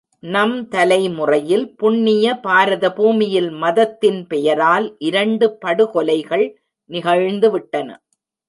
நம் தலைமுறையில் புண்ணிய பாரத பூமியில் மதத்தின் பெயரால் இரண்டு படுகொலைகள் நிகழ்ந்துவிட்டன.